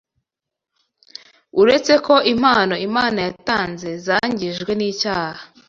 Uretse ko impano Imana yatanze zangijwe n’icyaha